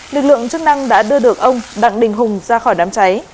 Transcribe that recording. lực lượng chức năng đã đưa được ông đặng đình hùng ra khỏi đám cháy